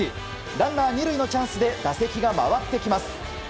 ランナー２塁のチャンスで打席が回ってきます。